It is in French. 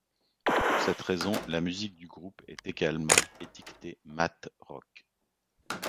Pour cette raison, la musique du groupe est également étiquetée math rock.